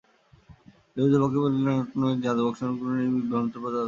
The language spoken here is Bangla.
দেবজ্যোতি ভক্ত পরিচালিত নাটকটির নাম একটি জাদুর বাক্স এবং কয়েকটি বিভ্রান্ত প্রজাপতি।